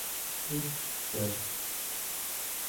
— Эт, сэр!